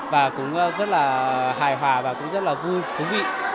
và cũng rất là hài hòa và cũng rất là vui thú vị